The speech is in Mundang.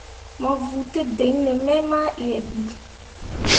Mo vuu tǝdiŋni me mah yie bii.